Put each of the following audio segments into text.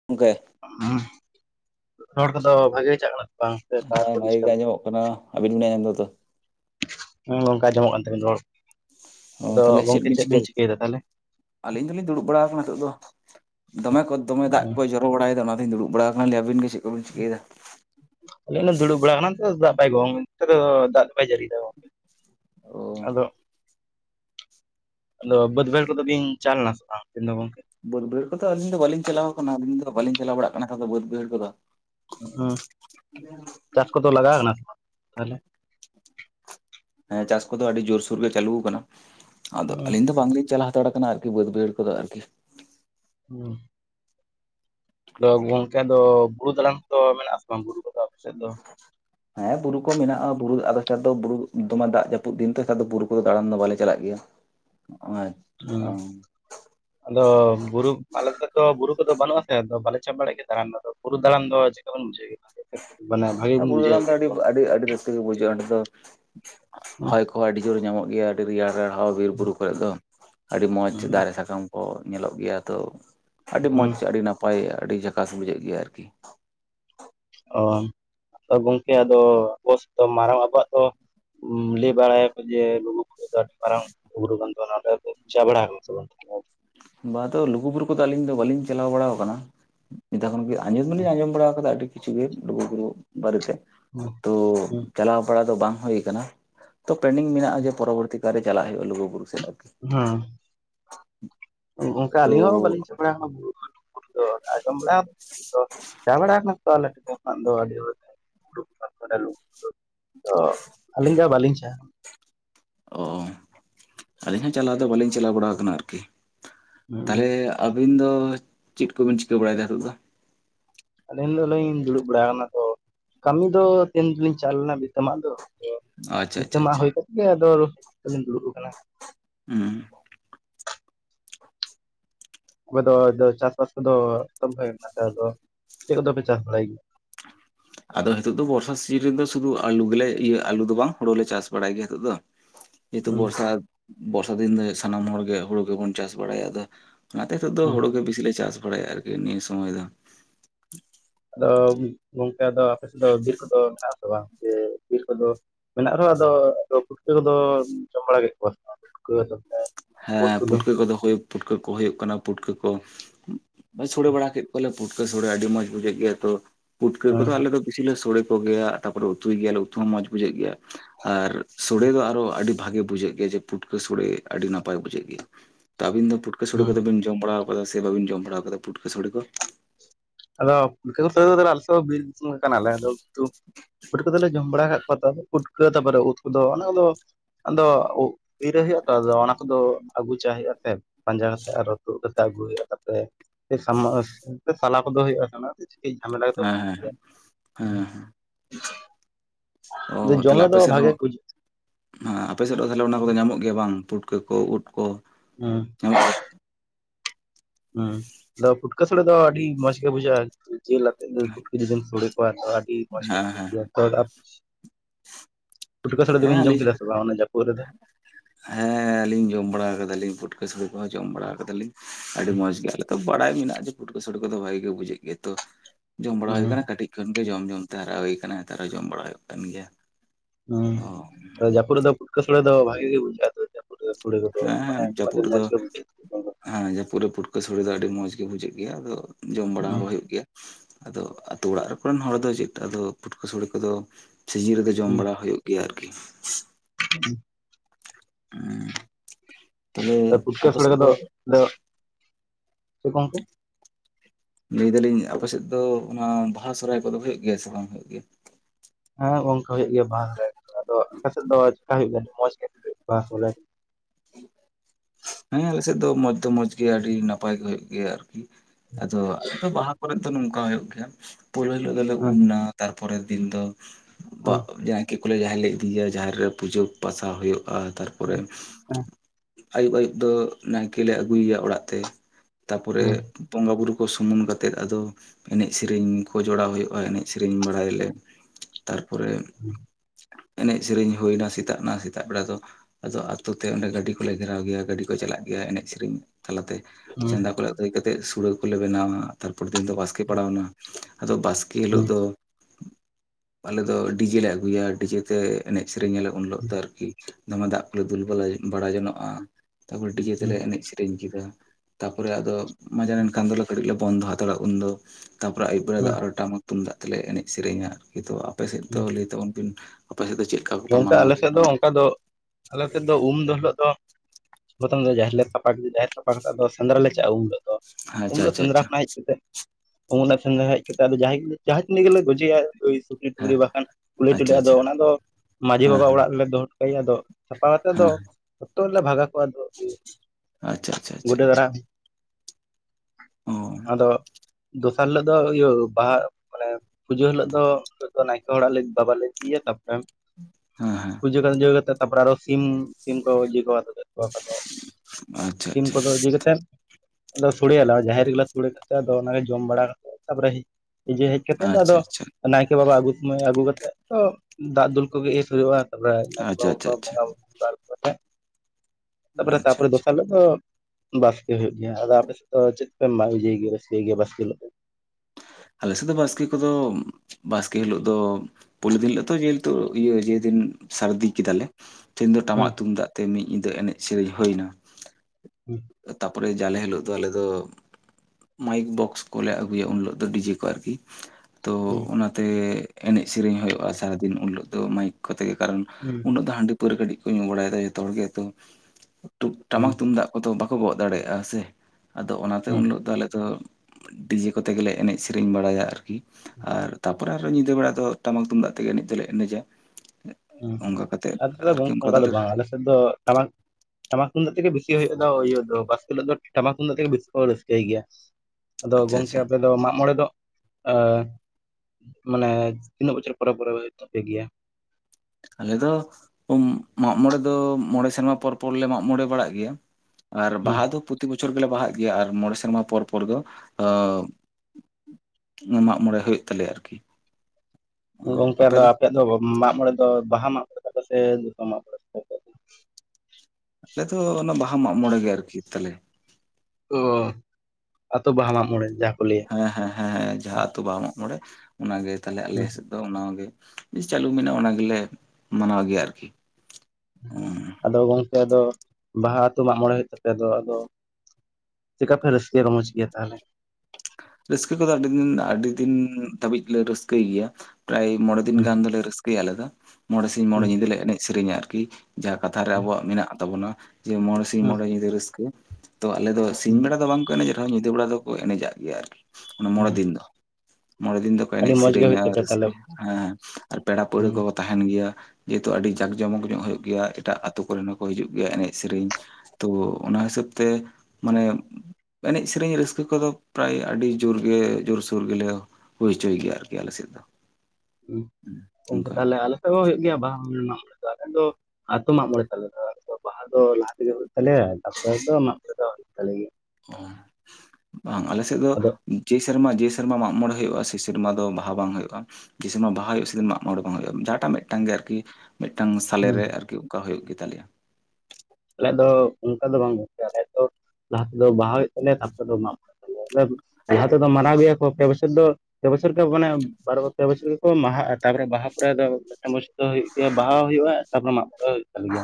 ᱜᱚᱝᱠᱮ ᱦᱩᱸ ᱨᱚᱦᱚᱲ ᱠᱚᱫᱚ ᱵᱷᱟᱜᱮ ᱜᱮ ᱪᱟᱜ ᱠᱟᱱᱟ᱾ ᱵᱟᱝ ᱥᱮ ᱴᱟᱣᱟᱨ ᱦᱮᱸ ᱠᱚ ᱵᱷᱟᱜᱤ ᱰᱤᱥᱴᱟᱵ ᱜᱮ ᱫᱟ? ᱟᱸᱡᱚᱢᱚᱜ ᱠᱟᱱᱟ ᱟᱵᱤᱱ ᱵᱤᱱ [unintelligible] ᱫᱚ ᱛᱚ ᱦᱮᱸ ᱜᱚᱝᱠᱮ ᱟᱸᱡᱚᱢᱚᱜ ᱠᱟᱱ ᱛᱟᱵᱤᱱ ᱨᱚᱲ ᱚ ᱟᱫᱚ ᱛᱟᱦᱚᱞᱮ ᱜᱚᱝᱠᱮ ᱪᱮᱫ ᱪᱤᱠᱟᱹᱭ ᱵᱤᱱ ᱪᱤᱠᱟᱹᱭᱮᱫᱟ ᱛᱟᱦᱚᱞᱮ? ᱟᱹᱞᱤᱧ ᱫᱚᱞᱤᱧ ᱫᱩᱲᱩᱵ ᱵᱟᱲᱟ ᱠᱟᱱᱟ ᱱᱤᱛᱚᱜ ᱫᱚ, ᱫᱚᱢᱮ ᱠᱚ ᱫᱚᱢᱮ ᱫᱟᱜ ᱠᱚᱭ ᱡᱚᱨᱚ ᱨᱚ ᱵᱟᱲᱟᱭ ᱫᱟ ᱚᱱᱟᱛᱮ ᱫᱩᱲᱩᱵ ᱵᱟᱲᱟ ᱠᱟᱱᱟ, ᱟᱵᱤᱱ ᱜᱮ ᱪᱮᱫ ᱠᱚᱵᱤᱱ ᱪᱤᱠᱟᱹᱭᱮᱫᱟ? ᱟᱞᱮ ᱦᱚᱞᱮ ᱫᱩᱲᱩᱵ ᱵᱟᱲᱟ ᱠᱟᱱᱟ ᱱᱚᱛᱮ ᱫᱟᱜ ᱵᱟᱭ ᱜᱚᱫ ᱟᱫᱚ ᱫᱟᱜ ᱠᱚᱭ ᱫᱚ ᱡᱟᱹᱲᱤ ᱫᱚ ᱚ ᱟᱫᱚ ᱟᱫᱚ ᱵᱟᱹᱫᱽ ᱵᱟᱭᱦᱟᱹᱲ ᱠᱚᱫᱚ ᱵᱤᱱ ᱪᱟ ᱞᱮᱱᱟ ᱥᱮ ᱵᱟᱝ ᱛᱮᱦᱮᱱ ᱫᱚ ᱜᱚᱝᱠᱮ? ᱵᱟᱹᱫ ᱵᱟᱹᱭᱦᱟᱹᱲ ᱠᱚᱫᱚ ᱟᱹᱞᱤᱧ ᱫᱚ ᱵᱟᱹᱞᱤᱧ ᱪᱟᱞᱟᱣ ᱠᱟᱱᱟ, ᱟᱹᱞᱤᱧ ᱫᱚ ᱵᱟᱹᱞᱤᱧ ᱪᱟᱞᱟᱣ ᱵᱟᱲᱟᱜ ᱠᱟᱱᱟ ᱱᱮᱛᱟᱨ ᱫᱚ ᱵᱟᱹᱫᱽ ᱵᱟᱹᱭᱦᱟᱹᱲ ᱠᱚᱫᱚ᱾ ᱦᱚᱸ ᱪᱟᱥ ᱠᱚᱫᱚ ᱞᱟᱜᱟᱣ ᱠᱟᱱᱟ ᱥᱮ ᱵᱟᱝ ᱛᱟᱦᱞᱮ [inaudible] ᱦᱮᱸ ᱪᱟᱥ ᱠᱚᱫᱚ ᱟᱹᱰᱤ ᱡᱳᱨ-ᱥᱳᱨ ᱜᱮ ᱪᱟᱹᱞᱩ ᱠᱟᱱᱟ ᱟᱫᱚ ᱟᱹᱞᱤᱧ ᱦᱩᱸ ᱫᱚ ᱵᱟᱝᱞᱤᱧ ᱪᱟᱞᱟᱣ ᱦᱟᱛᱟᱲ ᱠᱟᱱᱟ ᱟᱨᱠᱤ᱾ ᱵᱟᱹᱫ ᱵᱟᱹᱭᱦᱟᱹᱲ ᱠᱚᱫᱚ ᱟᱨᱠᱤ ᱦᱩᱸ ᱟᱫᱚ ᱜᱚᱝᱠᱮ ᱫᱚ ᱵᱩᱨᱩ ᱫᱟᱞᱟᱱ ᱛᱚ ᱢᱮᱱᱟᱜ ᱟᱥᱮ ᱵᱟᱝ ᱵᱩᱨᱩ ᱠᱚᱫᱚ ᱟᱯᱮ ᱥᱮᱫ ᱫᱚ [inaudible] ᱦᱮᱸ ᱵᱩᱨᱩ ᱠᱚ ᱢᱮᱱᱟᱜᱼᱟ ᱵᱩᱨᱩ ᱟᱫᱚ ᱱᱮᱛᱟᱨ ᱫᱚ ᱵᱩᱨᱩ ᱫᱚᱢᱮ ᱫᱟᱜ ᱡᱟᱹᱯᱩᱜ ᱫᱤᱱ ᱛᱚ ᱱᱮᱛᱟᱨ ᱫᱚ ᱵᱩᱨᱩ ᱠᱚᱫᱚ ᱫᱟᱬᱟᱱ ᱫᱚ ᱵᱟᱞᱮ ᱪᱟᱞᱟᱜ ᱜᱮᱭᱟ ᱱᱚᱜᱼᱚᱭ᱾ ᱦᱩᱸ [inaudible] ᱟᱫᱚ ᱵᱩᱨᱩ ᱟᱞᱮ ᱥᱮᱫᱫᱚ ᱵᱩᱨᱩ ᱠᱚᱫᱚ ᱵᱟᱹᱱᱩᱜ ᱟᱥᱮ, ᱟᱫᱚ ᱵᱟᱞᱮ ᱪᱟᱵ ᱵᱟᱲᱟᱭ ᱜᱮᱭᱟ ᱫᱟᱬᱟᱱ ᱵᱩᱨᱩ ᱫᱟᱲᱟᱱ ᱫᱚ ᱪᱤᱠᱟᱹ ᱵᱚᱱ ᱵᱩᱨᱩ ᱫᱟᱲᱟᱱ ᱫᱚ ᱥᱮ ᱟᱹᱰᱤ ᱵᱟᱝ? ᱟᱹᱰᱤ ᱟᱹᱰᱤ ᱨᱟᱹᱥᱠᱟᱹ [unintelligible] ᱵᱩᱡᱟᱹᱜᱼᱟ ᱚᱸᱰᱮ ᱫᱚ ᱦᱚᱭ ᱠᱚᱦᱚᱸ ᱟᱹᱰᱤ ᱡᱳᱨ ᱧᱟᱢᱚᱜ ᱜᱮᱭᱟ᱾ ᱟᱹᱰᱤ ᱨᱮᱭᱟᱲ ᱨᱮᱭᱟᱲ ᱦᱚᱸ ᱵᱤᱨ ᱵᱩᱨᱩ ᱠᱚᱨᱮ ᱫᱚ, ᱟᱹᱰᱤ ᱢᱚᱸᱡᱽ ᱫᱟᱨᱮ ᱥᱟᱠᱟᱢ ᱠᱚ ᱠᱚ ᱧᱮᱞᱚᱜ ᱜᱮᱭᱟ ᱛᱚ ᱟᱹᱰᱤ ᱦᱩᱸ ᱢᱚᱸᱡᱽ ᱟᱹᱰᱤ ᱱᱟᱯᱟᱭ ᱟᱹᱰᱤ ᱡᱷᱟᱠᱟᱥ ᱵᱩᱡᱷᱟᱹᱜ ᱜᱮᱭᱟ ᱟᱨᱠᱤ᱾ ᱚᱢ ᱜᱚᱝᱠᱮ ᱟᱫᱚ [unintelligible] ᱢᱟᱨᱟᱝ ᱟᱵᱚᱣᱟᱜ ᱫᱚ ᱞᱟᱹᱭ ᱵᱟᱲᱟᱭᱟᱠᱚ ᱡᱮ ᱞᱩᱜᱩ ᱩᱫᱟᱥ ᱯᱟᱨᱢᱟ ᱦᱩᱲᱩᱫᱟᱱᱫᱟᱱᱟᱭ ᱛᱮ ᱪᱟ ᱵᱟᱲᱟᱭ ᱦᱩᱭ ᱠᱟᱱᱟ ᱥᱮ ᱵᱟᱝ ᱵᱟ ᱫᱚ ᱞᱩᱜᱩᱼᱵᱩᱨᱩ ᱠᱚᱫᱚ ᱟᱹᱞᱤᱧ ᱫᱚ ᱵᱟᱹᱞᱤᱧ ᱪᱟᱞᱟᱣ ᱵᱟᱲᱟᱣ ᱟᱠᱟᱱᱟ᱾ ᱱᱤᱛᱟᱜ ᱠᱷᱚᱱ ᱜᱮ ᱟᱸᱡᱚᱢ ᱫᱚᱞᱤᱧ ᱟᱸᱡᱚᱢ ᱵᱟᱲᱟ ᱠᱟᱫᱟ ᱟᱹᱰᱤ ᱠᱤᱪᱷᱩ ᱜᱮ, ᱞᱩᱜᱩᱵᱩᱨᱩ ᱵᱟᱨᱮᱛᱮ ᱛᱚ ᱦᱮᱸ ᱪᱟᱞᱟᱣ ᱵᱟᱲᱟ ᱫᱚ ᱵᱟᱝ ᱦᱩᱭ ᱠᱟᱱᱟ᱾ ᱛᱚ ᱯᱮᱞᱮᱱᱤᱝ ᱢᱮᱱᱟᱜᱼᱟ ᱡᱮ ᱯᱚᱨᱚᱵᱚᱨᱛᱤ ᱠᱟᱞᱨᱮ ᱪᱟᱞᱟᱜ ᱦᱩᱭᱩᱜᱼᱟ ᱞᱩᱜᱩᱵᱩᱨᱩ ᱥᱮᱫ ᱟᱨᱠᱤ᱾ ᱦᱮᱸ ᱚᱱ-ᱚᱱᱠᱟ ᱛᱚ ᱟᱹᱞᱤᱧ ᱦᱚᱸ ᱵᱟᱹᱞᱤᱧ ᱪᱟ ᱵᱟᱲᱟ ᱠᱟᱱᱟ ᱵᱩᱨᱩ ᱵᱚᱸᱜᱟ ᱫᱚ᱾ [inaudible] ᱵᱟᱲᱟ [inaudible] ᱛᱚ ᱪᱟ ᱵᱟᱲᱟ ᱠᱟᱱᱟᱢ ᱛᱚ [unintelligible] ᱵᱟᱝ ᱫᱚ ᱟᱹᱰᱤ [inaudible] ᱟᱹᱞᱤᱧ ᱫᱚ ᱵᱟᱹᱞᱤᱧ ᱪᱟ ᱚ, ᱟᱹᱞᱤᱧ ᱦᱚᱸ ᱪᱟᱞᱟᱣ ᱫᱚ ᱵᱟᱹᱞᱤᱧ ᱪᱟᱞᱟᱣ ᱵᱟᱲᱟ ᱟᱠᱟᱱᱟ ᱟᱨᱠᱤ᱾ ᱛᱟᱦᱚᱞᱮ ᱟᱹᱵᱤᱱ ᱫᱚ ᱪᱮᱫ ᱠᱚᱵᱤᱱ ᱪᱤᱠᱟᱹ ᱵᱟᱲᱟᱭᱮᱫᱟ ᱱᱤᱛᱚᱜ ᱫᱚ᱾ ᱟᱹᱞᱤᱧ ᱫᱚᱞᱤᱧ ᱫᱩᱲᱩᱵ ᱵᱟᱲᱟ ᱟᱠᱟᱱᱟ ᱛᱚ ᱠᱟᱹᱢᱤ ᱫᱚ ᱛᱤᱱ ᱫᱚᱞᱤᱧ ᱪᱟᱣ ᱞᱮᱱᱟ ᱵᱷᱤᱛᱟᱹ ᱢᱟᱜ ᱫᱚ᱾ ᱟᱪᱪᱷᱟ ᱵᱷᱤᱛᱟᱹ ᱟᱪᱪᱷᱟ ᱢᱟᱜ ᱟᱪᱪᱷᱟ ᱦᱩᱭ ᱠᱟᱛᱮᱜ ᱟᱫᱚ ᱟᱹᱞᱤᱧ ᱫᱩᱲᱩᱵ ᱟᱠᱟᱱᱟ᱾ ᱦᱩᱢ ᱚᱠᱚᱭ ᱫᱚ ᱪᱟᱥᱵᱟᱥ ᱠᱚᱫᱚ [unintelligible] ᱢᱮᱱᱟᱜ ᱟᱫᱚ ᱪᱮᱫ ᱠᱚᱫᱚᱯᱮ ᱪᱟᱥ ᱵᱟᱲᱟᱭ ᱜᱮᱭᱟ ᱟᱫᱚ ᱱᱤᱛᱚᱜ ᱫᱚ ᱵᱚᱨᱥᱟ ᱥᱤᱡᱚᱱ ᱫᱚ ᱥᱩᱨᱩᱜ-ᱟ ᱟᱹᱞᱩ ᱜᱮᱞᱮ ᱤᱭᱟᱹ ᱟᱹᱞᱩ ᱫᱚ ᱵᱟᱝ ᱦᱩᱲᱩ ᱞᱮ ᱪᱟᱥ ᱵᱟᱲᱟᱭ ᱜᱮᱭᱟ ᱱᱤᱛᱚᱜ ᱫᱚ᱾ ᱱᱤᱛᱩᱜ ᱦᱩᱸ ᱵᱚᱨᱥᱟ ᱵᱚᱨᱥᱟ ᱫᱤᱱ ᱫᱚ ᱥᱟᱱᱟᱢ ᱦᱚᱲᱜᱮ ᱦᱩᱲᱩ ᱜᱮᱵᱚᱱ ᱪᱟᱥ ᱵᱟᱲᱟᱭᱟ, ᱟᱫᱚ ᱚᱱᱟᱛᱮ ᱦᱤᱛᱚᱜ ᱫᱚ ᱦᱩᱸ ᱦᱩᱲᱩ ᱜᱮ ᱵᱮᱥᱤ ᱞᱮ ᱪᱟᱥ ᱵᱟᱲᱟᱭᱟ ᱟᱨᱠᱤ ᱱᱤᱭᱟᱹ ᱥᱚᱢᱚᱭ ᱫᱚ᱾ ᱟᱫᱚ ᱜᱚᱝᱠᱮ ᱟᱫᱚ ᱟᱯᱮᱥᱮᱫ ᱫᱚ ᱵᱤᱨ ᱠᱚᱫᱚ ᱢᱮᱱᱟᱜ ᱟᱥᱮ ᱵᱟᱝ? ᱡᱮ ᱵᱤᱨ ᱠᱚᱫᱚ ᱢᱮᱱᱟᱜ ᱨᱮᱦᱚᱸ ᱟᱫᱚ ᱯᱩᱷᱴᱠᱟᱹ ᱠᱚᱫᱚ ᱡᱚᱢ ᱵᱟᱲᱟ ᱠᱮᱫ ᱠᱚᱣᱟ ᱥᱮ ᱵᱟᱝ ᱯᱩᱴᱠᱟᱹ [unintelligible] ᱦᱮᱸ ᱯᱩᱴᱠᱟᱹ ᱠᱚᱫᱚ ᱦᱳᱭ ᱯᱩᱴᱠᱟᱹ ᱠᱚ ᱦᱩᱭᱩᱜ ᱠᱟᱱᱟ ᱯᱩᱴᱠᱟᱹ ᱠᱚ ᱥᱳᱲᱮ ᱵᱟᱲᱟ ᱠᱮᱫ ᱵᱚᱞᱮ ᱯᱩᱴᱠᱟᱹ ᱥᱚᱲᱮ ᱟᱹᱰᱤ ᱢᱚᱸᱡᱽ ᱵᱩᱡᱷᱟᱹᱜ ᱜᱮᱭᱟ ᱛᱚ ᱯᱩᱴᱠᱟᱹ ᱦᱮᱸ ᱠᱚᱫᱚ ᱟᱞᱮ ᱫᱚ ᱠᱤᱪᱷᱤᱞᱮ ᱥᱳᱲᱮ ᱠᱚᱜᱮᱭᱟ ᱛᱟᱯᱚᱨᱮ ᱩᱛᱩᱭ ᱜᱮᱭᱟᱞᱮ ᱩᱛᱩ ᱦᱚᱸ ᱢᱚᱸᱡᱽ ᱵᱩᱡᱷᱟᱹᱜ ᱜᱮᱭᱟ ᱟᱨ ᱥᱳᱲᱮ ᱫᱚ ᱟᱨᱚ ᱟᱹᱰᱤ ᱵᱷᱟᱜᱮ ᱵᱩᱡᱷᱟᱹᱜ ᱜᱮᱭᱟ, ᱡᱮ ᱯᱩᱴᱠᱟᱹ ᱥᱚᱲᱮ ᱟᱹᱰᱤ ᱱᱟᱯᱟᱭ ᱵᱩᱡᱷᱟᱹᱜ ᱜᱮᱭᱟ, ᱛᱚ ᱟᱹᱵᱤᱱ ᱫᱚ ᱯᱩᱴᱠᱟᱹ ᱯᱩᱴᱠᱟᱹ ᱥᱚᱲᱮ ᱦᱮᱸ ᱠᱚᱫᱚ ᱵᱤᱱ ᱡᱚᱢ ᱵᱟᱲᱟ ᱠᱟᱫᱟ ᱥᱮ ᱵᱟᱹᱵᱤᱱ ᱡᱚᱢ ᱵᱟᱲᱟ ᱠᱟᱫᱟ ᱯᱩᱴᱠᱟᱹ ᱥᱚᱲᱮ ᱠᱚ ᱟᱫᱚ [unintelligible] ᱟᱞᱮ [inaudible] ᱵᱤᱨ ᱫᱤᱥᱚᱢ ᱠᱟᱱᱟᱞᱮ ᱟᱫᱚ ᱠᱤᱱᱛᱩ ᱯᱩᱴᱠᱟᱹ ᱠᱚᱫᱚᱞᱮ ᱡᱚᱢ ᱵᱟᱲᱟ ᱦᱟᱫ ᱯᱟᱛᱟ ᱫᱚ ᱯᱩᱴᱠᱟᱹ ᱛᱟᱯᱚᱨᱮ ᱩᱫ ᱠᱚᱫᱚ ᱚᱱᱟ ᱠᱚᱫᱚ ᱟᱫᱚ ᱩᱫ ᱵᱤᱨ ᱨᱮ ᱦᱩᱭᱩᱜᱼᱟ ᱛᱚ ᱟᱫᱚ ᱚᱱᱟ ᱠᱚᱫᱚ ᱟᱹᱜᱩ ᱪᱟ ᱦᱩᱭᱩᱜ-ᱟ ᱥᱮ ᱯᱟᱸᱡᱟ ᱠᱟᱛᱮ ᱛᱩᱫ ᱠᱟᱛᱮᱜ ᱟᱹᱜᱩ᱾ ᱦᱩᱭᱟ ᱠᱟᱛᱮᱜ ᱥᱮ ᱥᱟᱢᱟᱥ ᱥᱟᱞᱟ ᱠᱚᱫᱚ ᱦᱩᱭ ᱟᱠᱟᱱᱟ ᱾ ᱦᱮᱸ ᱦᱮᱸ ᱚ ᱛᱟᱦᱞᱮ ᱡᱚᱢᱮ ᱟᱯᱮ ᱫᱚ ᱥᱮᱫ ᱦᱚᱸ ᱵᱷᱟᱜᱮ ᱠᱩᱡ ᱦᱮᱸ ᱟᱯᱮ ᱥᱮᱫ ᱦᱚᱸ ᱛᱟᱦᱞᱮ ᱚᱱᱟ ᱠᱚᱫᱚ ᱧᱟᱢᱚᱜ ᱜᱮᱭᱟ ᱵᱟᱝ ᱯᱩᱴᱠᱟᱹ ᱠᱚ ᱩᱫ ᱠᱚ? ᱦᱩᱸ [unintelligible] ᱦᱩᱸ ᱟᱫᱚ ᱯᱩᱴᱠᱟᱹ ᱥᱚᱲᱮ ᱫᱚ ᱟᱹᱰᱤ ᱢᱚᱸᱡᱽ ᱜᱮ ᱵᱩᱡᱷᱟᱹᱜᱼᱟ ᱾ ᱡᱤᱞ ᱟᱛᱮᱫ ᱯᱩᱴᱠᱟᱹ ᱡᱚᱡᱚᱢ ᱥᱚᱲᱮ᱾ ᱵᱟᱨᱛᱚᱣᱟ ᱠᱤ ᱟᱹᱰᱤ ᱢᱚᱪ ᱜᱮ ᱦᱮᱸ ᱦᱮᱸ [unintelligible] ᱯᱩᱴᱠᱟᱹ ᱥᱚᱲᱮ ᱦᱮᱸ ᱫᱚᱵᱤᱱ ᱡᱚᱢ ᱟᱹᱞᱤᱧ ᱠᱮᱫᱟ ᱥᱮ ᱵᱟᱝ ᱚᱱᱟ ᱡᱟᱹᱯᱩᱫ ᱨᱮᱫᱚ? ᱦᱮᱸ ᱟᱹᱞᱤᱧ ᱡᱚᱢ ᱵᱟᱲᱟ ᱠᱟᱫᱟᱞᱤᱧ ᱯᱩᱴᱠᱟᱹ ᱥᱚᱲᱮ ᱠᱚᱦᱚᱸ ᱡᱚᱢ ᱵᱟᱲᱟ ᱟᱠᱟᱫᱟᱞᱤᱧ ᱟᱹᱰᱤ ᱢᱚᱸᱡᱽ ᱜᱮ ᱟᱞᱮ ᱫᱚ ᱵᱟᱲᱟᱭ ᱢᱮᱱᱟᱜᱼᱟ ᱡᱮ ᱯᱩᱴᱠᱟᱹ ᱥᱩᱲᱮ ᱠᱚᱫᱚ ᱵᱷᱟᱹᱜᱤ ᱜᱮ ᱵᱩᱡᱟᱹᱜ ᱜᱮᱭᱟ ᱛᱚ ᱡᱚᱢ ᱵᱟᱲᱟ ᱦᱩᱭ ᱦᱩᱸ ᱟᱠᱟᱱᱟ ᱠᱟᱹᱴᱤᱡ᱾ ᱠᱷᱟᱹᱱᱠᱟᱹ ᱡᱚᱢ ᱡᱚᱢᱛᱮ ᱦᱟᱨᱟ ᱦᱩᱭ ᱟᱠᱟᱱᱟ ᱱᱮᱛᱟᱨ ᱦᱚᱸ ᱡᱚᱢ ᱵᱟᱲᱟ ᱦᱩᱭᱩᱜ ᱠᱟᱱ ᱜᱮᱭᱟ᱾ ᱚ ᱦᱩᱸ ᱡᱟᱹᱯᱩᱫ ᱨᱮ ᱫᱚ ᱯᱩᱴᱠᱟᱹ ᱥᱚᱲᱮ ᱫᱚ ᱵᱷᱟᱜᱤ ᱜᱮ ᱵᱩᱡᱷᱟᱹᱜᱼᱟ ᱛᱚ᱾ ᱯᱩᱴᱠᱟᱹ ᱥᱩᱲᱮ ᱠᱚᱫᱚ ᱦᱮᱸ ᱦᱮᱸ ᱢᱟᱱᱮ ᱟᱹᱰᱤ ᱡᱟᱹᱯᱩᱫ ᱨᱮᱫᱚ ᱢᱚᱸᱡᱽ ᱜᱮ ᱵᱩᱡᱷᱟᱹᱜᱼᱟ᱾ ᱦᱮᱸ ᱡᱟᱹᱯᱩᱫ ᱨᱮ ᱯᱩᱴᱠᱟᱹ ᱥᱚᱲᱮ ᱫᱚ ᱟᱹᱰᱤ ᱢᱚᱸᱡᱽ ᱜᱮ ᱵᱩᱡᱷᱟᱹᱜ ᱜᱮᱭᱟ ᱟᱫᱚ ᱡᱚᱢ ᱵᱟᱲᱟ ᱦᱚᱸ ᱦᱩᱭᱩᱜ ᱜᱮᱭᱟ᱾ ᱟᱫᱚ ᱟᱹᱛᱩ ᱚᱲᱟᱜ ᱠᱚᱨᱮᱱ ᱦᱚᱲ ᱫᱚ ᱪᱮᱫ ᱟᱫᱚ ᱯᱩᱴᱠᱟᱹ ᱥᱚᱲᱮ ᱠᱚᱫᱚ᱾ ᱥᱤᱡᱤᱱ ᱨᱮᱫᱚ ᱡᱚᱢ ᱦᱩᱸ ᱦᱩᱸ ᱵᱟᱲᱟ ᱦᱩᱭᱩᱜ ᱜᱮᱭᱟ ᱟᱨᱠᱤ᱾ ᱛᱟᱦᱞᱮ ᱯᱩᱴᱠᱟᱹ ᱟᱯᱮ ᱥᱚᱲᱮ ᱥᱮᱫ ᱠᱚᱫᱚ ᱫᱚ? ᱟᱫᱚ ᱪᱮᱫ ᱜᱚᱝᱠᱮ ᱞᱟᱹᱭ ᱮᱫᱟᱞᱤᱧ ᱟᱯᱮ ᱥᱮᱫ ᱫᱚ ᱚᱱᱟ ᱵᱟᱦᱟ ᱥᱚᱦᱨᱟᱭ ᱠᱚᱫᱚ ᱦᱩᱭᱩᱜ ᱜᱮᱭᱟ ᱥᱮ ᱵᱟᱝ ᱦᱩᱭᱩᱜ ᱜᱮᱭᱟ? ᱦᱮᱸ ᱜᱚᱝᱠᱮ ᱦᱩᱭᱩᱜ ᱜᱮᱭᱟ ᱵᱟᱦᱟ ᱥᱚᱦᱨᱟᱭ ᱟᱫᱚ ᱟᱯᱮ ᱥᱮᱫ ᱫᱚ ᱪᱮᱠᱟ ᱦᱩᱭᱩᱜ ᱜᱮᱭᱟ ᱢᱚᱸᱡᱽ ᱜᱮ ᱵᱟᱦᱟ ᱥᱚᱨᱦᱟᱭ ᱦᱮᱸ ᱟᱞᱮ ᱥᱮᱫ ᱫᱚ ᱢᱚᱡᱽ ᱫᱚ ᱢᱚᱸᱡᱽ ᱜᱮᱭᱟ ᱟᱹᱰᱤ ᱱᱟᱯᱟᱭ ᱜᱮ ᱦᱩᱭᱩᱜ ᱜᱮᱭᱟ ᱟᱫᱚ ᱟ [inaudible] ᱵᱟᱦᱟ ᱠᱚᱨᱮ ᱫᱚ ᱱᱚᱝᱠᱟ ᱦᱩᱭᱩᱜ ᱜᱮᱭᱟ ᱯᱳᱭᱞᱳ ᱦᱤᱞᱳᱜ ᱫᱚᱞᱮ ᱦᱮᱸ ᱩᱢ ᱮᱱᱟᱹ᱾ ᱯᱚᱨᱮᱨ ᱫᱤᱱ ᱫᱚ ᱵᱟ ᱦᱮᱸ ᱦᱮᱸ ᱡᱟᱦᱟᱸᱭ ᱠᱮ ᱠᱚᱞᱮ ᱡᱟᱦᱟᱭ ᱞᱮ ᱤᱫᱤᱭᱭᱟ ᱡᱟᱦᱮᱨ ᱨᱮ ᱯᱩᱡᱟᱹ ᱯᱟᱥᱟ ᱦᱩᱭᱩᱜ ᱟᱨ ᱛᱟᱨᱯᱚᱨᱮ ᱚ [inaudible] ᱟᱹᱭᱩᱵ ᱟᱹᱭᱩᱵ ᱫᱚ ᱱᱟᱭᱠᱮ ᱞᱮ ᱟᱹᱜᱩᱭᱮᱭᱟ ᱚᱲᱟᱜ ᱛᱮ ᱛᱟᱯᱚᱨᱮ ᱵᱚᱸᱜᱟ ᱵᱩᱨᱩ ᱠᱚ ᱥᱩᱢᱟᱹᱱ ᱠᱟᱛᱮᱫ ᱟᱫᱚ ᱮᱱᱮᱡ ᱥᱮᱨᱮᱧ ᱠᱚ ᱡᱚᱲᱟᱣ ᱦᱩᱭᱩᱜᱼᱟ ᱮᱱᱮᱡ ᱥᱮᱨᱮᱧ ᱵᱟᱲᱟᱭᱟᱞᱮ ᱛᱟᱨᱯᱚᱨᱮ ᱦᱮᱸ [inaudible] ᱮᱱᱮᱡ ᱥᱮᱨᱮᱧ ᱦᱩᱭᱱᱟ ᱥᱮᱛᱟᱜ ᱱᱟ ᱥᱮᱛᱟᱜ ᱵᱮᱲᱟ ᱫᱚ ᱟᱫᱚ ᱟᱹᱛᱩ ᱛᱮ ᱚᱸᱰᱮ ᱜᱟᱹᱰᱤ ᱠᱚᱞᱮ ᱜᱷᱮᱨᱟᱣ ᱜᱮᱭᱟ ᱜᱟᱹᱰᱤ ᱠᱚ ᱪᱟᱞᱟᱜ ᱜᱮᱭᱟ ᱮᱱᱮᱡ ᱥᱮᱨᱮᱧ ᱛᱟᱞᱟᱛᱮ ᱦᱮᱸ ᱪᱟᱸᱫᱟ ᱠᱚᱞᱮ᱾ [inaudible] ᱨᱟᱹᱭ ᱠᱟᱛᱮᱫ ᱥᱩᱲᱟᱹ ᱠᱚᱞᱮ ᱵᱮᱱᱟᱣᱟ ᱛᱟᱨᱯᱚᱨ ᱫᱤᱱ ᱫᱚ ᱵᱟᱥᱠᱮ ᱯᱟᱲᱟᱣ ᱮᱱᱟ ᱟᱫᱚ ᱵᱟᱥᱠᱮ ᱦᱤᱞᱳᱜ ᱫᱚ ᱟᱞᱮ ᱫᱚ ᱰᱤᱡᱮ ᱞᱮ ᱟᱹᱜᱩᱭᱟ ᱰᱤᱡᱮ ᱛᱮ ᱮᱱᱮᱡ ᱥᱮᱨᱮᱧᱟᱞᱮ ᱩᱱ ᱦᱤᱞᱳᱜ ᱫᱚ ᱟᱨᱠᱤ ᱫᱚᱢᱮ ᱫᱟᱜ ᱠᱚᱞᱮ ᱫᱩᱞ ᱵᱟᱞᱟ ᱵᱟᱲᱟ ᱡᱟᱱᱚᱜᱼᱟ ᱛᱟᱨᱯᱚᱨ ᱰᱤᱡᱮ ᱛᱮᱞᱮ ᱦᱮᱸ ᱦᱮᱸ ᱦᱮᱸ ᱮᱱᱮᱡ ᱥᱮᱨᱮᱧ ᱠᱮᱫᱟ ᱛᱟᱯᱚᱨᱮ ᱟᱫᱚ ᱢᱟᱡᱟᱱ ᱮᱱᱠᱷᱟᱱ ᱫᱚᱞᱮ ᱠᱟᱹᱴᱤᱡ ᱞᱮ ᱵᱚᱱᱫᱚ ᱦᱟᱛᱟᱲᱟᱜ ᱩᱱ ᱫᱚ ᱛᱟᱯᱚᱨᱮ ᱟᱹᱭᱩᱵ ᱵᱮᱲᱟ ᱫᱚ ᱟᱨᱚ ᱴᱟᱢᱟᱠ ᱛᱩᱢᱫᱟᱜ ᱛᱮᱞᱮ ᱮᱱᱮᱡ ᱥᱮᱨᱮᱧᱟᱹ ᱱᱤᱛᱩᱜ ᱟᱯᱮᱥᱮᱫ ᱫᱚ ᱞᱟᱹᱭ ᱛᱟᱵᱚᱱ ᱵᱤᱱ ᱟᱯᱮ ᱥᱮᱫ ᱫᱚ ᱪᱮᱫ? ᱞᱮᱠᱟ ᱠᱚᱯᱮ ᱜᱚᱝᱠᱮ ᱢᱟᱱᱟᱣ ᱟᱞᱮ ᱜᱮᱭᱟ ᱥᱮᱫ ᱫᱚ ᱱᱚᱣᱟ ᱚᱱᱠᱟ ᱫᱚ ᱟᱞᱮ ᱥᱮᱫ ᱫᱚ ᱩᱢ ᱫᱚ ᱦᱤᱞᱳᱜ ᱫᱚ ᱯᱚᱛᱷᱚᱢ ᱫᱚ ᱡᱟᱦᱮᱨ ᱞᱮ ᱥᱟᱯᱷᱟ ᱠᱮᱫᱟ ᱡᱟᱦᱮᱨ ᱥᱟᱯᱷᱟ ᱠᱟᱛᱮᱮᱫ ᱟᱫᱚ ᱥᱮᱸᱫᱽᱨᱟ ᱞᱮ ᱪᱟᱜᱼᱟ ᱩᱱ ᱦᱤᱞᱳᱜ ᱫᱚ ᱩᱱ ᱟᱪᱪᱷᱟ ᱦᱤᱞᱳᱜ ᱟᱪᱪᱷᱟ ᱥᱮᱸᱫᱽᱨᱟ ᱟᱪᱪᱷᱟ ᱠᱷᱚᱱᱟᱜ ᱦᱮᱡ ᱠᱟᱛᱮᱫ ᱩᱱᱟᱜ ᱥᱮᱱᱫᱽᱨᱟ ᱦᱮᱡ ᱠᱟᱛᱮ ᱡᱟᱦᱟᱸᱭ ᱡᱟᱦᱟᱸ ᱛᱤᱱᱟᱹ ᱜᱮᱞᱮ ᱜᱚᱡᱮᱭᱟ ᱥᱩᱠᱨᱤ ᱴᱩᱠᱨᱤ ᱦᱮᱸ ᱵᱟᱠᱷᱟᱱ ᱠᱩᱞᱟᱹᱭ ᱟᱪᱪᱷᱟ ᱴᱩᱞᱟᱹᱭ ᱟᱫᱚ ᱟᱪᱪᱷᱟ ᱚᱱᱟ ᱫᱚ ᱢᱟᱺᱡᱷᱤ ᱦᱮᱸ ᱵᱟᱵᱟ ᱦᱮᱸ ᱚᱲᱟᱜ ᱨᱮᱞᱮ ᱫᱚᱦᱚ ᱴᱚᱠᱟᱭᱟ ᱟᱫᱚ ᱥᱷᱟᱯᱟ ᱠᱟᱛᱮᱮᱫ ᱫᱚ ᱦᱮᱸ ᱟᱹᱛᱩ ᱨᱮᱞᱮ ᱵᱷᱟᱜᱟ ᱠᱚᱣᱟ ᱟᱫᱚ ᱟᱪᱪᱷᱟ ᱟᱪᱪᱷᱟ ᱟᱪᱪᱷᱟ ᱜᱩᱰᱟᱹ ᱟᱪᱪᱷᱟ ᱜᱟᱰᱟ ᱚ ᱟᱫᱚ ᱫᱚᱥᱟᱨ ᱦᱤᱞᱟᱹᱜ ᱫᱚ ᱤᱭᱟᱹ ᱵᱟᱦᱟ ᱢᱟᱱᱮ ᱯᱩᱡᱟᱹ ᱦᱤᱞᱳᱜ ᱫᱚ ᱱᱟᱭᱠᱮ ᱚᱲᱟᱜ ᱵᱟᱵᱟ ᱞᱮ ᱤᱫᱤᱭᱮᱭᱟ ᱛᱟᱯᱚᱨᱮ ᱦᱮᱸ ᱦᱮᱸ ᱯᱩᱡᱟᱹ [unintelligible] ᱠᱟᱛᱮ ᱛᱟᱯᱚᱨᱮ ᱟᱨᱚ ᱥᱤᱢ ᱥᱤᱢ ᱠᱚ ᱤᱭᱟᱹ ᱠᱚᱣᱟ [unintelligible] ᱟᱪᱪᱷᱟ ᱥᱤᱢ ᱟᱪᱪᱷᱟ ᱠᱚᱫᱚ ᱤᱫᱤ ᱠᱟᱛᱮᱫ ᱟᱫᱚ ᱥᱚᱲᱮᱭᱟᱞᱮ ᱡᱟᱦᱮᱨ ᱜᱮᱞᱮ ᱥᱚᱲᱮ ᱠᱟᱛᱮ ᱟᱫᱚ ᱚᱱᱟᱜᱮ ᱡᱚᱢ ᱵᱟᱲᱟ ᱠᱟᱛᱮ ᱛᱟᱯᱚᱨᱮ [unintelligible] ᱠᱮᱛᱮ ᱫᱚ ᱟᱪᱪᱷᱟ ᱟᱫᱚ ᱟᱪᱪᱷᱟ ᱱᱟᱭᱠᱮ ᱵᱟᱵᱟ ᱟᱹᱜᱩ [unintelligible] ᱟᱹᱜᱩ ᱠᱟᱛᱮ ᱫᱚ ᱫᱟᱜ ᱫᱩᱞ ᱠᱚᱜᱮ ᱮᱥ ᱦᱩᱭᱩᱜᱼᱟ ᱟᱪᱪᱷᱟ ᱟᱪᱪᱷᱟ ᱟᱪᱪᱷᱟ [unintelligible] ᱛᱟᱯᱚᱨᱮ ᱛᱟᱯᱚᱨᱮ ᱟᱪᱪᱷᱟ ᱫᱚᱥᱟᱨ ᱦᱤᱞᱚᱜ [unintelligible] ᱫᱚ ᱵᱟᱥᱠᱮ ᱦᱳᱭᱳᱜ ᱜᱮᱭᱟ ᱟᱫᱚ ᱟᱯᱮ ᱥᱮᱫ ᱫᱚ ᱪᱮᱫ ᱯᱮ ᱢᱟ ᱤᱭᱟᱹᱭ ᱜᱮᱭᱟ ᱨᱟᱹᱥᱠᱟᱹᱭ ᱜᱮᱭᱟ ᱵᱟᱥᱠᱮ ᱦᱤᱞᱳᱜ ᱫᱚ ᱟᱞᱮ ᱥᱮᱫ ᱫᱚ ᱵᱟᱥᱠᱮ ᱠᱚᱫᱚ ᱵᱟᱥᱠᱮ ᱦᱤᱞᱳᱜ ᱫᱚ ᱯᱩᱭᱞᱳ ᱫᱤᱱ ᱦᱤᱞᱳᱜ ᱛᱚ ᱡᱮᱦᱮᱛᱩ ᱤᱭᱟᱹ ᱡᱮᱫᱤᱱ ᱥᱟᱨᱫᱤ ᱠᱮᱫᱟᱞᱮ ᱛᱮᱦᱮᱧ ᱫᱚ ᱴᱟᱢᱟᱜ ᱦᱩᱸ ᱛᱩᱢᱫᱟᱜ ᱛᱮ ᱢᱤᱫ ᱧᱤᱫᱟᱹ ᱮᱱᱮᱡ ᱥᱮᱨᱮᱧ ᱦᱳᱭᱱᱟ ᱦᱩᱸ ᱛᱟᱯᱚᱨᱮ ᱡᱟᱞᱮ ᱦᱤᱞᱳᱜ ᱫᱚ ᱟᱞᱮ ᱫᱚ ᱢᱟᱭᱤᱠ ᱵᱚᱠᱥ ᱠᱚᱞᱮ ᱟᱹᱜᱩᱭᱟ ᱩᱱ ᱦᱤᱞᱳᱜ ᱰᱤᱡᱮ ᱠᱚ ᱟᱨᱠᱤ ᱛᱚ ᱦᱩᱸ ᱚᱱᱟ ᱛᱮ ᱮᱱᱮᱡ ᱥᱮᱨᱮᱧ ᱦᱳᱭᱳᱜᱼᱟ ᱥᱟᱨᱟᱫᱤᱱ ᱩᱱ ᱦᱤᱞᱳᱜ ᱫᱚ ᱢᱟᱭᱤᱠ ᱠᱚᱛᱮ ᱜᱮ ᱠᱟᱨᱚᱱ ᱩᱱ ᱦᱤᱞᱳᱜ ᱫᱚ ᱦᱟᱺᱰᱤ ᱯᱟᱹᱣᱨᱟᱹ ᱠᱟᱹᱴᱤᱡ ᱠᱚ ᱧᱩ ᱵᱟᱲᱟᱭᱮᱫᱟ ᱡᱷᱚᱛᱚ ᱦᱚᱲ ᱜᱮ ᱛᱚ ᱦᱩᱸ ᱴᱟᱢᱟᱠ ᱛᱩᱢᱫᱟᱜ ᱠᱚᱛᱚ ᱵᱟᱠᱚ ᱜᱚᱜ ᱫᱟᱲᱮᱭᱟᱜᱼᱟ ᱥᱮ ᱟᱫᱚ ᱚᱱᱟᱛᱮ ᱦᱩᱸ ᱩᱱᱞᱳᱜ ᱫᱚ ᱟᱞᱮᱫᱚ ᱰᱤᱡᱮ ᱠᱚᱛᱮ ᱜᱮᱞᱮ ᱮᱱᱮᱡ ᱥᱮᱨᱮᱧ ᱵᱟᱲᱟᱭᱟ ᱟᱨᱠᱤ ᱟᱨ ᱛᱟᱯᱚᱨᱮ ᱟᱨᱚ ᱧᱤᱫᱟᱹ ᱵᱮᱲᱟ ᱫᱚ ᱴᱟᱢᱟᱠ ᱛᱩᱢᱫᱟᱜ ᱛᱮᱜᱮ ᱮᱱᱮᱡ ᱫᱚᱞᱮ ᱮᱱᱮᱡᱟ [unintelligible] ᱦᱩᱸ ᱠᱟᱛᱮᱫ [unintelligible] ᱫᱚ ᱟᱨᱠᱤ ᱵᱟᱝ ᱚᱱᱠᱟ ᱫᱚᱞᱮ [unintelligible] ᱫᱚ ᱴᱟᱢᱟᱠ ᱴᱟᱢᱟᱠ ᱛᱩᱢᱫᱟᱜ ᱛᱮᱜᱮ ᱵᱤᱥᱤ ᱦᱩᱭᱩᱜ ᱫᱚ ᱤᱭᱟᱹ ᱫᱚ ᱵᱟᱥᱠᱮ ᱦᱤᱞᱳᱜ ᱫᱚ ᱴᱟᱢᱟᱠ ᱛᱩᱢᱫᱟᱜ ᱛᱮᱜᱮ ᱵᱮᱥᱤ ᱠᱚ ᱨᱟᱹᱥᱠᱟᱹᱭ ᱜᱮᱭᱟ ᱟᱫᱚ ᱟᱪᱪᱷᱟ ᱜᱚᱝᱠᱮ ᱟᱪᱪᱷᱟ ᱟᱯᱮ ᱫᱚ ᱢᱟᱜ ᱢᱚᱬᱮ ᱫᱚ ᱢᱟᱱᱮ ᱛᱤᱱᱟᱹᱜ ᱵᱚᱪᱷᱚᱨ ᱯᱚᱨᱮ ᱯᱚᱨᱮ ᱦᱩᱭᱩᱜ ᱛᱟᱯᱮ ᱜᱮᱭᱟ ᱟᱞᱮ ᱫᱚ ᱢᱟᱜᱢᱚᱬᱮ ᱫᱚ ᱢᱚᱬᱮ ᱥᱮᱨᱢᱟ ᱯᱚᱨ ᱯᱚᱨ ᱞᱮ ᱢᱟᱜᱢᱚᱬᱮ ᱵᱟᱲᱟᱜ ᱜᱮᱭᱟ ᱟᱨ ᱦᱮᱸ ᱵᱟᱦᱟ ᱫᱚ ᱯᱩᱛ ᱛᱤ ᱵᱚᱪᱷᱚᱨ ᱜᱮᱞᱮ ᱵᱟᱦᱟᱜ ᱜᱮᱭᱟ ᱟᱨ ᱢᱚᱬᱮ ᱥᱮᱨᱢᱟ ᱯᱚᱨ ᱯᱚᱨ ᱫᱚ ᱢᱟᱜ ᱢᱚᱬᱮ ᱦᱳᱭᱚᱜ ᱛᱟᱞᱮᱭᱟ ᱟᱨᱠᱤ ᱜᱚᱝᱠᱮ ᱟᱫᱚ ᱟᱯᱮᱭᱟᱜ ᱫᱚ ᱢᱟᱜ ᱢᱚᱬᱮ ᱫᱚ ᱵᱟᱦᱟ ᱢᱟᱜᱢᱚᱬᱮ ᱛᱟᱯᱮ ᱥᱮ ᱫᱤᱥᱚᱢ ᱢᱟᱜᱽ ᱢᱚᱬᱮ? ᱛᱟᱯᱮ? ᱟᱞᱮ ᱫᱚ ᱚᱱᱟ ᱵᱟᱦᱟ ᱢᱟᱜ ᱢᱚᱬᱮ ᱜᱮ ᱟᱨᱠᱤ ᱛᱟᱞᱮ ᱚ ᱟᱹᱛᱳ ᱵᱟᱦᱟ ᱢᱟᱜ ᱢᱚᱬᱮ ᱡᱟᱦᱟᱸ ᱠᱚ ᱞᱟᱹᱭᱟ ᱦᱮᱸ ᱦᱮᱸ ᱦᱮᱸ ᱦᱮᱸ ᱡᱟᱦᱟᱸ ᱟᱹᱛᱩ ᱵᱟᱦᱟ ᱢᱟᱜ ᱢᱚᱬᱮ ᱚᱱᱟᱜᱮ ᱛᱟᱞᱮ ᱟᱞᱮ ᱦᱮᱸ ᱫᱚ ᱚᱱᱟᱜᱮ ᱪᱟᱹᱞᱩ ᱢᱮᱱᱟᱜᱼᱟ ᱚᱱᱟ ᱜᱮᱞᱮ ᱢᱟᱱᱟᱣ ᱜᱮᱭᱟ ᱟᱨᱠᱤ ᱟᱫᱚ ᱜᱚᱢᱠᱮ ᱟᱫᱚ ᱵᱟᱦᱟ ᱟᱛᱩ ᱢᱟᱜ ᱢᱚᱬᱮ ᱦᱩᱭᱩᱜ ᱛᱟᱯᱮᱭᱟ ᱟᱫᱚ ᱟᱫᱚ? ᱪᱮᱠᱟ ᱯᱮ ᱨᱟᱹᱥᱠᱟᱹ ᱨᱚᱢᱚᱡ ᱜᱮᱭᱟ ᱛᱟᱦᱞᱮ ᱨᱟᱹᱥᱠᱟᱹ ᱠᱚᱫᱚ ᱟᱹᱰᱤ ᱫᱤᱱ ᱟᱹᱰᱤ ᱫᱤᱱ ᱫᱷᱟᱹᱵᱤᱡ ᱞᱮ ᱨᱟᱹᱥᱠᱟᱹᱭ ᱜᱮᱭᱟ ᱯᱨᱟᱭ ᱢᱚᱬᱮ ᱫᱤᱱ ᱦᱮᱸ ᱜᱟᱱ ᱫᱚᱞᱮ ᱨᱟᱹᱥ ᱠᱟᱹᱡ ᱟᱞᱟᱫᱟ ᱢᱚᱬᱮ ᱥᱤᱧ ᱢᱚᱬᱮ ᱦᱮᱸ ᱧᱤᱫᱟᱹ ᱞᱮ ᱮᱱᱮᱡ ᱥᱮᱨᱮᱧᱟ ᱟᱨᱠᱤ ᱡᱟᱦᱟᱸ ᱠᱟᱛᱷᱟ ᱨᱮ ᱦᱮᱸ ᱟᱵᱚᱣᱟᱜ ᱢᱮᱱᱟᱜ ᱛᱟᱵᱚᱱᱟ ᱡᱮ ᱢᱚᱬᱮ ᱥᱤᱧ ᱦᱮᱸ ᱢᱚᱬᱮ ᱧᱤᱫᱟᱹ ᱨᱟᱹᱥᱠᱟᱹ ᱛᱚ ᱟᱞᱮ ᱫᱚ ᱥᱤᱧ ᱵᱮᱲᱟ ᱫᱚ ᱵᱟᱝ ᱮᱱᱮᱡ ᱨᱮᱦᱚᱸ ᱧᱤᱫᱟᱹ ᱵᱮᱲᱟ ᱫᱚᱠᱚ ᱮᱱᱮᱡᱟᱜ ᱜᱮᱭᱟ ᱟᱨᱠᱤ ᱚᱱᱮ ᱢᱟᱬᱮ ᱦᱮᱸ ᱫᱤᱱ ᱫᱚ ᱢᱚᱬᱮ ᱫᱤᱱ ᱫᱚ ᱠᱚ ᱟᱹᱰᱤ ᱮᱱᱮᱡ ᱢᱚᱸᱡᱽ ᱜᱮ ᱥᱮᱨᱮᱧᱟ ᱦᱩᱭᱩᱜ ᱛᱟᱯᱮᱭᱟ ᱛᱟᱦᱚᱞᱮ ᱨᱟᱹᱥᱠᱟᱹ ᱦᱮᱸ ᱟᱨ ᱯᱮᱲᱟ ᱯᱟᱹᱲᱦᱟᱹ ᱦᱮᱸ ᱠᱚ ᱛᱟᱦᱮᱱ ᱜᱮᱭᱟ ᱡᱮᱦᱮᱛᱩ ᱟᱹᱰᱤ ᱡᱟᱠ ᱡᱚᱢᱚᱠ ᱧᱚᱜ ᱦᱩᱭᱩᱜ ᱜᱮᱭᱟ ᱮᱴᱟᱜ ᱟᱹᱛᱩ ᱠᱚᱨᱮᱱ ᱦᱚᱸᱠᱚ ᱦᱤᱡᱩᱜ ᱜᱮᱭᱟᱹ ᱮᱱᱮᱡ ᱥᱮᱨᱮᱧ ᱛᱚ ᱚᱱᱟ ᱦᱤᱥᱟᱹᱵ ᱛᱮ ᱢᱟᱱᱮ ᱮᱱᱮᱡ ᱥᱮᱨᱮᱧ ᱨᱟᱹᱥᱠᱟᱹ ᱠᱚᱫᱚ ᱯᱨᱟᱭ ᱟᱹᱰᱤ ᱡᱳᱨ ᱜᱮ ᱡᱳᱨᱥᱳᱨ ᱜᱮᱞᱮ ᱦᱩᱭ ᱦᱚᱪᱚᱭ ᱜᱮᱭᱟ ᱟᱨᱠᱤ ᱟᱞᱮ ᱥᱮᱫ ᱫᱚ ᱦᱩᱸ ᱜᱚᱝᱠᱮ ᱚᱱᱠᱟ ᱛᱟᱦᱚᱞᱮ ᱟᱞᱮ ᱦᱩᱭᱩᱜ ᱜᱮᱭᱟ [unintelligible] ᱟᱛᱳ ᱢᱟᱜ ᱢᱚᱬᱮ ᱛᱟᱞᱮ ᱫᱚ ᱵᱟᱦᱟ ᱫᱚ ᱞᱟᱦᱟ ᱛᱮᱜᱮ ᱦᱩᱭᱩᱜ ᱛᱟᱞᱮᱭᱟ ᱛᱟᱯᱚᱨ ᱫᱚ [unintelligible] ᱫᱚ ᱦᱩᱭᱩᱜ ᱛᱟᱞᱮ ᱜᱮᱭᱟ ᱚ ᱵᱟᱝ ᱟᱞᱮ ᱥᱮᱫ ᱫᱚ ᱟᱫᱚ ᱡᱮ ᱥᱮᱨᱢᱟ ᱡᱮ ᱥᱮᱨᱢᱟ ᱢᱟᱜ ᱢᱚᱬᱮ ᱦᱩᱭᱩᱜᱼᱟ ᱥᱮ ᱥᱮᱨᱢᱟ ᱫᱚ ᱵᱟᱦᱟ ᱵᱟᱝ ᱦᱩᱭᱩᱜᱼᱟ ᱡᱮ ᱥᱮᱨᱢᱟ ᱵᱟᱦᱟ ᱦᱩᱭᱩᱜᱼᱟ [unintelligible] ᱢᱟᱜ ᱢᱚᱬᱮ ᱵᱟᱝ ᱦᱩᱭᱩᱜᱼᱟ ᱡᱟᱦᱟᱸᱴᱟᱜ ᱢᱤᱫᱴᱟᱝ ᱜᱮ ᱟᱨᱠᱤ ᱢᱤᱫᱴᱟᱝ ᱥᱟᱞᱮ ᱦᱮᱸ ᱨᱮ ᱟᱨᱠᱤ ᱚᱱᱠᱟ ᱦᱩᱭᱩᱜ ᱜᱮᱛᱟᱞᱮᱭᱟ ᱟᱞᱮᱭᱟᱜ ᱫᱚ ᱚᱱᱠᱟ ᱫᱚ ᱵᱟᱝ ᱜᱚᱝᱠᱮ ᱟᱞᱮᱭᱟᱜ ᱫᱚ ᱞᱟᱦᱟ ᱛᱮᱫᱚ ᱵᱟᱦᱟ ᱦᱩᱭᱩᱜ ᱛᱟᱞᱮᱭᱟ ᱛᱟᱯᱚᱨᱮ ᱫᱚ ᱢᱟᱜ [unintelligible] ᱞᱟᱦᱟ ᱛᱮᱫᱚ ᱢᱟᱱᱟᱣ ᱜᱮᱭᱟ ᱠᱚ ᱯᱮ ᱵᱚᱪᱷᱚᱨ ᱫᱚ ᱯᱮ ᱵᱚᱪᱷᱚᱨ ᱜᱮ ᱢᱟᱱᱮ ᱵᱟᱨ ᱯᱮ ᱵᱚᱪᱷᱚᱨ ᱜᱮᱠᱚ ᱢᱟᱦᱟᱜᱼᱟ ᱛᱟᱨᱯᱚᱨᱮ ᱵᱟᱦᱟ ᱯᱚᱨᱮ ᱫᱚ [unintelligible] ᱢᱤᱫᱴᱟᱝ ᱵᱚᱪᱷᱚᱨ ᱫᱚ ᱦᱩᱭᱩᱜ ᱜᱮᱭᱟ ᱵᱟᱦᱟ ᱦᱩᱭᱩᱜᱼᱟ ᱛᱟᱯᱚᱨᱮ [unintelligible] ᱢᱟᱜᱢᱳᱲᱮ ᱦᱩᱭᱩᱜ ᱛᱟᱞᱮᱭᱟ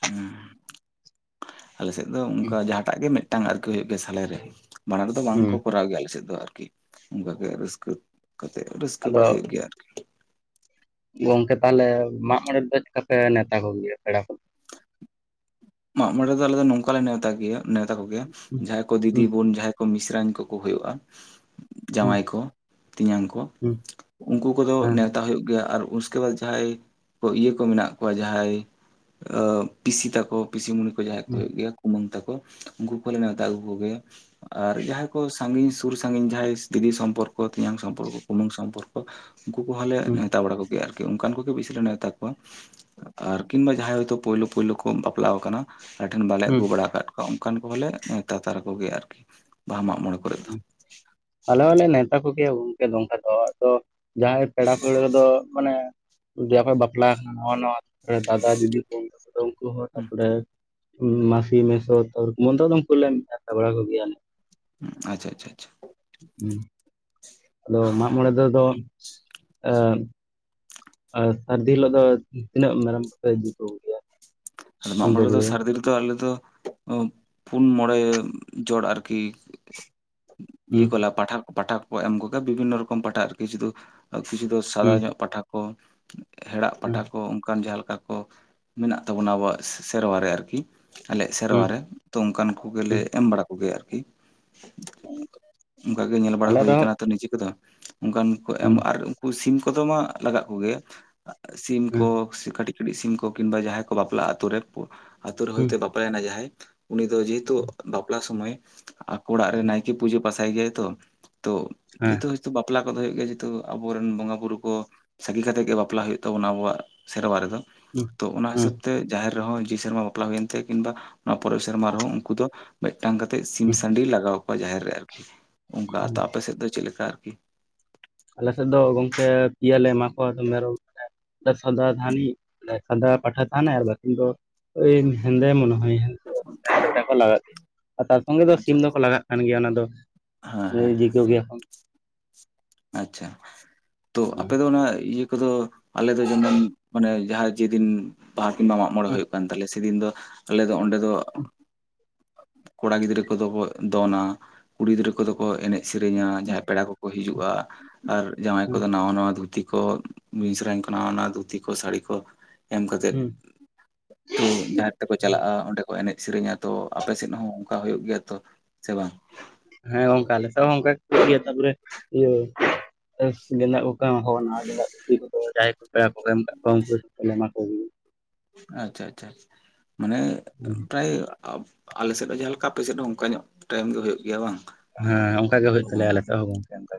ᱦᱩᱸ ᱟᱞᱮᱥᱮᱫ ᱫᱚ ᱚᱱᱠᱟ ᱡᱟᱦᱟᱸᱴᱟᱜ ᱜᱮ ᱢᱤᱫᱴᱟᱝ ᱟᱨᱠᱤ ᱦᱩᱭᱩᱜ ᱜᱮᱭᱟ ᱥᱟᱞᱮᱨᱮ ᱢᱟᱲᱟᱝ ᱠᱚᱫᱚ ᱵᱟᱝ ᱠᱚ ᱦᱩᱸ ᱠᱚᱨᱟᱣ ᱜᱮᱭᱟ ᱟᱞᱮᱥᱮᱫ ᱫᱚ ᱟᱨᱠᱤ ᱚᱱᱠᱟ ᱜᱮ ᱨᱟᱹᱥᱠᱟᱹ ᱠᱟᱛᱮ ᱨᱟᱹᱥᱠᱟᱹ ᱟᱫᱚ ᱵᱟᱲᱟ ᱦᱩᱭᱩᱜ ᱜᱮᱭᱟ ᱟᱨᱠᱤ ᱜᱚᱝᱠᱮ ᱛᱟᱦᱚᱞᱮ ᱢᱟᱜ ᱢᱚᱬᱮ ᱨᱮᱫᱚ ᱪᱮᱠᱟ ᱯᱮ ᱱᱮᱣᱛᱟ ᱠᱚᱜᱮᱭᱟ ᱯᱮᱲᱟ ᱠᱚ ᱢᱟᱜ ᱢᱚᱬᱮ ᱫᱚ ᱟᱞᱮ ᱫᱚ ᱱᱚᱝᱠᱟ ᱞᱮ ᱱᱮᱶᱛᱟ ᱜᱮᱭᱟ ᱱᱮᱶᱛᱟ ᱠᱚᱜᱮᱭᱟ ᱦᱩᱸ ᱡᱟᱦᱟᱸᱭ ᱠᱚ ᱫᱤᱫᱤ ᱦᱩᱸ ᱵᱚᱱ ᱡᱟᱦᱟᱸᱭ ᱢᱤᱥᱨᱟᱧ ᱠᱚᱠᱚ ᱦᱩᱭᱩᱜᱼᱟ᱾ ᱦᱩᱸ ᱡᱟᱶᱟᱭ ᱠᱚ ᱛᱮᱧᱟᱝ ᱠᱚ ᱦᱩᱸ ᱩᱱᱠᱩ ᱠᱚᱫᱚ ᱦᱮᱸ ᱱᱮ ᱛᱟ ᱦᱩᱭᱩᱜ ᱜᱮᱭᱟ ᱟᱨ ᱩᱥᱠᱮ ᱵᱟᱫ ᱡᱟᱦᱟᱸᱭ ᱠᱚ ᱤᱭᱟᱹ ᱠᱚ ᱢᱮᱱᱟᱜ ᱠᱚᱣᱟ ᱡᱟᱦᱟᱸᱭ ᱟ. ᱯᱤᱥᱤ ᱛᱟᱠᱚ ᱯᱤᱥᱤᱢᱩᱱᱤ ᱠᱚ ᱡᱟᱦᱟᱸᱭ ᱠᱚ ᱦᱩᱸ ᱦᱩᱭᱩᱜ ᱜᱮᱭᱟ, ᱠᱩᱢᱟᱹᱝ ᱛᱟᱠᱚ ᱩᱱᱠᱩ ᱠᱚᱞᱮ ᱱᱮᱣᱛᱟ ᱟᱹᱜᱩ ᱠᱚᱜᱮᱭᱟ᱾ ᱟᱨ ᱡᱟᱦᱟᱸᱭ ᱠᱚ ᱥᱟᱺᱜᱤᱧ ᱥᱩᱨ ᱥᱟᱺᱜᱤᱧ ᱡᱟᱦᱟᱸᱭ ᱫᱤᱫᱤ ᱥᱚᱢᱯᱚᱨᱠᱚ, ᱛᱮᱧᱟᱝ ᱥᱚᱢᱯᱚᱨᱠᱚ, ᱠᱩᱢᱩᱝ ᱥᱚᱢᱯᱚᱨᱠᱚ, ᱩᱱᱠᱩ ᱠᱚᱦᱚᱸ ᱞᱮ ᱦᱩᱸ ᱱᱮᱣᱛᱟ ᱵᱟᱲᱟ ᱠᱚᱜᱮᱭᱟ᱾ ᱚᱱᱠᱟᱱ ᱠᱚᱜᱮ ᱵᱤᱥᱤ ᱞᱮ ᱱᱮᱣᱛᱟ ᱠᱚᱣᱟ ᱟᱨ ᱠᱤᱝᱵᱟ ᱡᱟᱦᱟᱸᱭ ᱦᱭᱛᱳ ᱯᱳᱭᱞᱳ ᱯᱳᱭᱞᱳ ᱠᱚ ᱵᱟᱯᱞᱟ ᱟᱠᱟᱱᱟ, ᱟᱞᱮ ᱴᱷᱮᱱ ᱵᱟᱞᱮ ᱦᱩᱸ ᱟᱹᱜᱩ ᱵᱟᱲᱟ ᱠᱟᱜ ᱠᱚᱣᱟ ᱚᱱᱠᱟᱱ ᱠᱚᱦᱚᱸᱞᱮ ᱱᱮᱶᱛᱟ ᱛᱟᱨᱟ ᱠᱚᱜᱮᱭᱟ ᱟᱨᱠᱤ, ᱵᱟᱦᱟ ᱢᱟᱜ ᱢᱚᱬᱮ ᱠᱚᱨᱮ ᱫᱚ ᱦᱩᱸ᱾ ᱟᱞᱮ ᱦᱚᱸᱞᱮ ᱱᱮᱣᱛᱟ ᱠᱚᱜᱮᱭᱟ ᱜᱚᱝᱠᱮ ᱱᱚᱝᱠᱟ ᱫᱚ ᱟᱫᱚ ᱡᱟᱦᱟᱸᱭ ᱯᱮᱲᱟ ᱯᱟᱹᱲᱦᱟᱹ ᱫᱚ ᱢᱟᱱᱮ ᱡᱟᱯᱮ ᱵᱟᱯᱞᱟ ᱟᱠᱟᱱᱟ ᱱᱚᱣᱟ ᱱᱟᱣᱟ ᱫᱟᱫᱟ ᱡᱩᱫᱤ [unintelligible] ᱵᱩᱱ ᱛᱟᱠᱚ ᱩᱱᱠᱩ ᱦᱚᱸ ᱦᱩᱸ ᱛᱟᱯᱚᱨᱮ ᱢᱟᱥᱤ ᱢᱮᱥᱚ ᱛᱟᱨ ᱢᱮᱱ ᱫᱚ ᱩᱱᱠᱩᱞᱮ ᱱᱮᱶᱛᱟ ᱵᱟᱲᱟ ᱠᱚᱜᱮᱭᱟ, ᱟᱞᱮ ᱟᱪᱪᱷᱟ ᱟᱪᱷᱟ ᱟᱪᱪᱷᱟ ᱦᱩᱸ᱾ ᱟᱫᱚ ᱢᱟᱜᱢᱚᱬᱮ ᱛᱮ ᱫᱚ, ᱮ ᱟᱨ ᱥᱟᱹᱨᱫᱤ ᱦᱤᱞᱳᱜ ᱫᱚ ᱛᱤᱱᱟᱹᱜ ᱢᱮᱨᱚᱢ ᱠᱚᱯᱮ ᱤᱫᱤ ᱠᱚᱜᱮᱭᱟ? ᱟᱫᱚ ᱢᱟᱜ ᱮᱢ ᱢᱚᱬᱮ ᱨᱮᱫᱚ ᱠᱚᱜᱮᱭᱟ ᱥᱟᱨᱫᱤ ᱛᱚ ᱟᱞᱮ ᱫᱚ ᱯᱩᱱ ᱢᱚᱬᱮ ᱡᱚᱲ ᱟᱨᱠᱤ ᱤᱭᱟᱹ ᱦᱩᱸ ᱠᱚᱞᱟ ᱯᱟᱴᱷᱟ ᱯᱟᱴᱷᱟ ᱠᱚ ᱮᱢ ᱠᱚᱜᱟ ᱵᱤᱵᱷᱤᱱᱱᱚ ᱨᱚᱠᱚᱢ ᱯᱟᱴᱷᱟ ᱟᱨᱠᱤ ᱥᱩᱫᱩ ᱠᱤᱪᱷᱩ ᱫᱚ ᱥᱟᱫᱟ ᱦᱩᱸ ᱧᱚᱜ ᱯᱟᱴᱷᱟ ᱠᱚ ᱦᱮᱲᱟᱜ ᱦᱩᱸ ᱯᱟᱴᱷᱟ ᱠᱚ ᱚᱱᱠᱟᱱ ᱡᱟᱦᱟᱸ ᱞᱮᱠᱟ ᱠᱚ ᱢᱮᱱᱟᱜ ᱛᱟᱵᱚᱱᱟ ᱟᱵᱚᱣᱟᱜ ᱥᱮ, ᱥᱮᱨᱣᱟ ᱨᱮ ᱟᱨᱠᱤ ᱟᱞᱮ ᱥᱮᱨᱣᱟ ᱦᱩᱸ ᱨᱮ᱾ ᱛᱚ ᱚᱱᱠᱟᱱ ᱠᱚᱜᱮ ᱞᱮ ᱦᱩᱸ ᱮᱢ ᱵᱟᱲᱟ ᱠᱚᱜᱮᱭᱟ ᱟᱨᱠᱤ᱾ ᱚᱱᱠᱟ ᱜᱮ ᱧᱮᱞ ᱵᱟᱲᱟ ᱟᱞᱮ ᱨᱮᱦᱚᱸ ᱦᱩᱭᱠᱟᱱᱟ ᱛᱚ ᱱᱤᱡᱮ ᱠᱚᱫᱚ, ᱚᱱᱠᱟᱱ ᱠᱚ ᱮᱢ ᱦᱩᱸ ᱟᱨ ᱥᱤᱢ ᱠᱚᱫᱚ ᱢᱟ ᱞᱟᱜᱟᱜ ᱠᱚᱜᱮᱭᱟ ᱥᱤᱢ ᱠᱚ ᱦᱩᱸ ᱥᱮ ᱠᱟᱹᱴᱤᱡ ᱠᱟᱹᱴᱤᱡ ᱥᱤᱢ ᱠᱚ, ᱠᱤᱝᱵᱟ ᱡᱟᱦᱟᱭ ᱵᱟᱯᱞᱟᱜᱼᱟ ᱟᱛᱳ ᱨᱮ, ᱟᱛᱳ ᱨᱮ ᱦᱩᱸ ᱦᱚᱭᱛᱳ ᱵᱟᱯᱞᱟᱭᱮᱱᱟ ᱡᱟᱦᱟᱸᱭ ᱩᱱᱤ ᱫᱚ ᱡᱮᱦᱮᱛᱩ ᱵᱟᱯᱞᱟ ᱥᱩᱢᱚᱭ ᱟᱠᱚ ᱚᱲᱟᱜ ᱨᱮ ᱱᱟᱭ ᱠᱮ ᱯᱩᱡᱟᱹ ᱯᱟᱥᱟᱭ ᱜᱮᱭᱟᱭ ᱛᱚ, ᱛᱚ ᱦᱮᱸ ᱡᱮᱛᱚ ᱵᱟᱯᱞᱟ ᱠᱚᱫᱚ ᱦᱩᱭᱩᱜ ᱜᱮᱭᱟ ᱡᱮᱦᱮᱛᱩ ᱟᱵᱚᱨᱮᱱ ᱵᱚᱸᱜᱟ ᱵᱩᱨᱩ ᱠᱚ ᱥᱟᱸᱜᱤᱧ ᱠᱟᱛᱮ ᱜᱮ ᱵᱟᱯᱞᱟ ᱦᱩᱭᱩᱜ ᱛᱟᱵᱚᱱᱟ ᱟᱵᱚᱣᱟᱜ ᱥᱮᱨᱣᱟ ᱨᱮᱫᱚ, ᱦᱩᱸ ᱛᱚ ᱚᱱᱟ ᱦᱩᱸ ᱦᱤᱥᱟᱹᱵ ᱡᱟᱦᱮᱨ ᱨᱮᱦᱚᱸ ᱡᱮ ᱥᱮᱨᱢᱟ ᱵᱟᱯᱞᱟ ᱦᱩᱭᱮᱱ ᱛᱮ ᱠᱤᱝᱵᱟ ᱚᱱᱟ ᱯᱚᱨᱮᱨ ᱥᱮᱨᱢᱟ ᱨᱮᱦᱚᱸ ᱩᱱᱠᱩ ᱫᱚ ᱢᱤᱫᱴᱟᱝ ᱠᱟᱛᱮᱫ ᱥᱤᱢ ᱦᱩᱸ ᱥᱟᱺᱰᱤ ᱞᱟᱜᱟᱣ ᱠᱚᱣᱟ ᱡᱟᱦᱮᱨ ᱨᱮ ᱟᱨᱠᱤ, ᱚᱱᱠᱟ ᱛᱚ ᱟᱯᱮᱥᱮᱫ ᱫᱚ ᱪᱮᱫ ᱞᱮᱠᱟ ᱟᱨᱠᱤ? ᱟᱞᱮᱥᱮᱫ ᱫᱚ ᱜᱚᱝᱠᱮ ᱯᱮᱭᱟ ᱞᱮ ᱮᱢᱟ ᱠᱚᱣᱟ ᱟᱫᱚ ᱢᱮᱨᱚᱢ ᱥᱟᱫᱟ ᱦᱩᱸ ᱫᱷᱟᱱᱤ, ᱥᱟᱫᱟ ᱯᱟᱴᱷᱟ ᱛᱟᱦᱮᱱᱟᱭ᱾ ᱟᱨ ᱵᱟᱹᱠᱤᱱ ᱫᱚ ᱳᱭ ᱦᱮᱸᱫᱮ ᱢᱚᱱᱮᱦᱚᱭ᱾ [inaudible] ᱞᱟᱜᱟᱜ ᱜᱮᱭᱟ ᱟᱨ ᱛᱟᱨ ᱥᱚᱸᱜᱮ ᱫᱚ ᱟᱪᱪᱷᱟ ᱥᱤᱢ ᱦᱮᱸ ᱫᱚᱠᱚ ᱞᱟᱜᱟᱜ ᱠᱟᱱ ᱜᱮᱭᱟ ᱚᱱᱟ ᱫᱚ ᱦᱮᱸ ᱦᱮᱸ ᱡᱤᱠᱟᱹᱣ ᱜᱮᱭᱟ ᱾ ᱟᱪᱪᱷᱟ ᱛᱚ ᱟᱯᱮ ᱦᱩᱸ ᱫᱚ ᱚᱱᱟ ᱤᱭᱟᱹ ᱠᱚᱫᱚ ᱟᱞᱮ ᱫᱚ ᱡᱮᱢᱚᱱ ᱢᱟᱱᱮ ᱡᱟᱦᱟᱸ ᱡᱮᱫᱤᱱ ᱵᱟᱦᱟ ᱠᱤᱝᱵᱟ ᱢᱟᱜᱽ ᱢᱚᱬᱮ ᱦᱩᱭᱩᱜ ᱠᱟᱱ ᱛᱟᱞᱮ ᱥᱮᱫᱤᱱ ᱫᱚ ᱟᱞᱮ ᱫᱚ ᱚᱸᱰᱮ ᱫᱚ [inaudible] ᱠᱚᱲᱟ ᱜᱤᱫᱽᱨᱟᱹ ᱠᱚᱫᱚ ᱵᱚ ᱫᱚᱱᱟ, ᱠᱩᱲᱤ ᱜᱤᱫᱽᱨᱟᱹ ᱠᱚᱫᱚ ᱠᱚ ᱮᱱᱮᱡ ᱥᱮᱨᱮᱧᱟ ᱡᱟᱦᱟᱸᱭ ᱯᱮᱲᱟ ᱠᱚᱠᱚ ᱦᱤᱡᱩᱜᱼᱟ, ᱟᱨ ᱡᱟᱶᱟᱭ ᱦᱩᱸ ᱠᱚᱫᱚ ᱱᱟᱣᱟ ᱱᱟᱣᱟ ᱫᱷᱩᱛᱤ ᱠᱚ ᱢᱤᱥᱨᱟᱧ ᱠᱚ ᱱᱟᱶᱟ ᱱᱟᱶᱟ ᱫᱷᱩᱛᱤ ᱠᱚ ᱥᱟᱹᱲᱤ ᱠᱚ ᱮᱢ ᱠᱟᱛᱮᱫ ᱦᱩᱸ ᱛᱚ ᱡᱟᱦᱮᱨ ᱛᱮᱠᱚ ᱪᱟᱞᱟᱜᱼᱟ᱾ ᱚᱸᱰᱮ ᱠᱚ ᱮᱱᱮᱡ ᱥᱮᱨᱮᱧᱟ᱾ ᱛᱚ ᱟᱯ ᱥᱮᱫ ᱦᱚᱸ, ᱚᱱᱠᱟ ᱦᱩᱭᱩᱜ ᱜᱮᱭᱟ ᱛᱚ ᱥᱮ ᱵᱟᱝ? ᱦᱮᱸ [unintelligible] ᱚᱱᱠᱟᱞᱮ ᱚᱱᱠᱟ ᱴᱤᱠ [unintelligible] ᱜᱮᱭᱟ ᱛᱟᱯᱚᱨᱮ ᱤᱭᱟᱹ [unintelligible] ᱜᱮᱸ [unintelligible] ᱮᱢᱟᱱᱟᱜ ᱡ ᱱᱟᱳᱭᱟ ᱫᱷᱩᱛᱤ ᱠᱚᱫᱚ ᱡᱟᱦᱟᱸᱭ ᱠᱚ ᱯᱮᱲᱟ ᱠᱚ ᱮᱢ ᱠᱚ ᱮᱢᱟ ᱠᱚ ᱟᱪᱪᱷᱟ ᱟᱪᱪᱷᱟ, ᱢᱟᱱᱮ ᱜᱮᱭᱟ ᱯᱨᱟᱭ [unintelligible] ᱟᱞᱮ ᱥᱮᱫ ᱦᱚᱸ ᱡᱟᱦᱟᱸᱮ ᱞᱮᱠᱟ, ᱟᱯᱮ ᱥᱮᱫ ᱦᱚᱸ ᱚᱱᱠᱟ ᱧᱚᱜ ᱴᱟᱭᱤᱢ ᱜᱮ ᱦᱩᱭᱩᱜ ᱜᱮᱭᱟ ᱵᱟᱝ? ᱦᱮᱸ, ᱚᱱᱠᱟ ᱜᱮ ᱦᱩᱭᱩᱜ ᱚ ᱛᱟᱞᱮᱭᱟ ᱟᱞᱮᱫ ᱦᱚᱸ ᱜᱚᱝᱠᱮ᱾ ᱚᱱᱠ